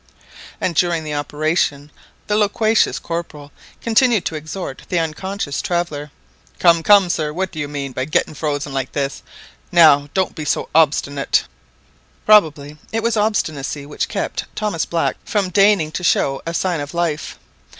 And during the operation the loquacious Corporal continued to exhort the unconscious traveller. "Come, come, sir. What do you mean by getting frozen like this. Now, don't be so obstinate !" Probably it was obstinacy which kept Thomas Black from deigning to show a sign of life.